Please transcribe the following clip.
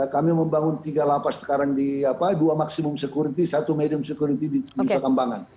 kami membangun tiga lapas sekarang di dua maksimum security satu medium security di nusa kambangan